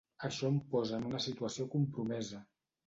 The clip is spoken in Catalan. Això em posa en una situació compromesa.